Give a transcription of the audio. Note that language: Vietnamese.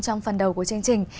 trong phần đầu của chương trình